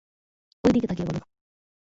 ঐদিকে তাকিয়ে বলো।